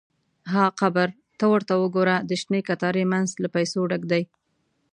– ها قبر! ته ورته وګوره، د شنې کتارې مینځ له پیسو ډک دی.